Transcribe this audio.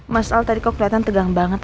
mas al tadi kok kelihatan tegang banget